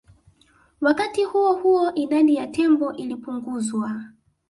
Wakati huo huo idadi ya tembo ilipunguzwa